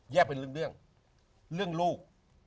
เป็นเรื่องเรื่องลูก